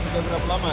sudah berapa lama